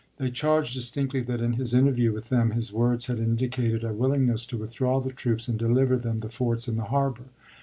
They charged distinctly that in his interview with them his words had in dicated a willingness to withdraw the troops and deliver them the forts and the harbor.